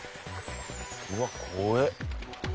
うわっ怖え！